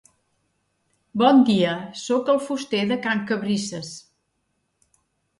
Bon dia, soc el fuster de can Cabrisses.